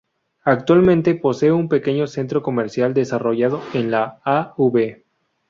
Actualmente posee un pequeño centro comercial desarrollado en la Av.